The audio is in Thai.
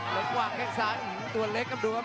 ลงวางแค่งซ้ายตัวเล็กกับดวม